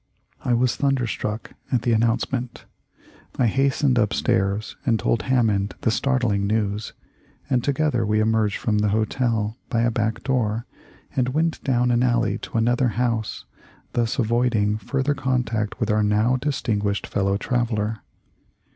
I was thunderstruck at the announcement. I hastened upstairs and told Hammond the startling news, and together we emerged from the hotel by a back door and went down an alley to another house, thus avoiding fur ther contact with our now distinguished fellow traveller.